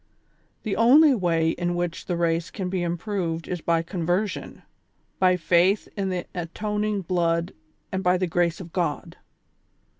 The only way in which the race can be improved is by conversion, by faith in tlie atoning blood and by the grace of God.